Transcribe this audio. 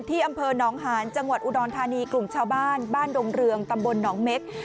อำเภอหนองหานจังหวัดอุดรธานีกลุ่มชาวบ้านบ้านดงเรืองตำบลหนองเม็ก